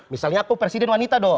misalnya aku presiden wanita dong